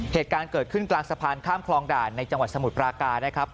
เหตุการณ์เกิดขึ้นกลางสะพานข้ามคลองด่านในจังหวัดสมุทรปราการนะครับ